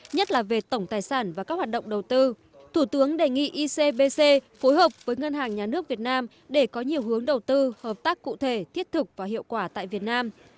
nhất là về tổng tài sản và các hoạt động đầu tư thủ tướng đề nghị icbc phối hợp với ngân hàng nhà nước việt nam để có nhiều hướng đầu tư hợp tác cụ thể thiết thực và hiệu quả tại việt nam